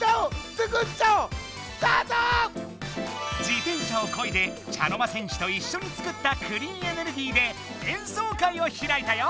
自転車をこいで茶の間戦士といっしょに作ったクリーンエネルギーで演奏会をひらいたよ！